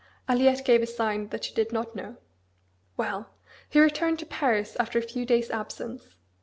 Aliette gave a sign that she did not know. "Well! he returned to Paris after a few days' absence.